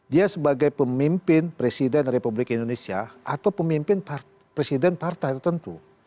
dia sebagai pemimpin presiden republik indonesia atau pemimpin presiden partai tentu